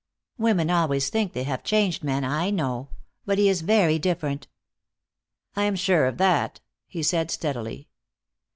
Women always think they have changed men, I know. But he is very different." "I am sure of that," he said, steadily.